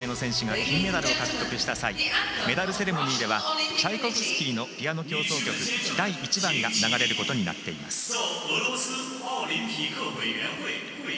ロシアオリンピック委員会の選手が金メダルを獲得した際メダルセレモニーではチャイコフスキーの「ピアノ協奏曲第１番」が流れることになっています。